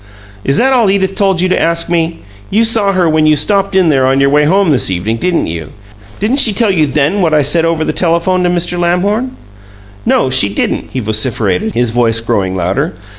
"Is that all Edith told you to ask me? You saw her when you stopped in there on your way home this evening, didn't you? Didn't she tell you then what I said over the telephone to Mr. Lamhorn?" "No, she didn't!" he vociferated, his voice growing louder.